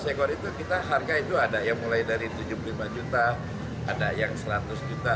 delapan belas ekor itu kita harga itu ada yang mulai dari rp tujuh puluh lima juta ada yang rp seratus juta